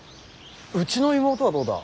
うちの妹はどうだ。